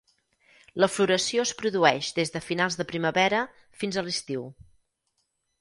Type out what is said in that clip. La floració es produeix des de finals de primavera fins a l’estiu.